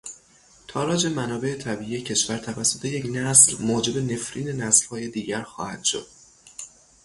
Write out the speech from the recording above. تاراج منابع طبیعی کشور توسط یک نسل موجب نفرین نسلهای دیگر خواهد شد.